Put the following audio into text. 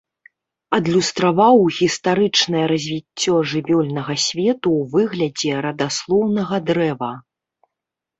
Адлюстраваў гістарычнае развіццё жывёльнага свету ў выглядзе радаслоўнага дрэва.